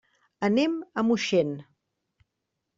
Anem a Moixent.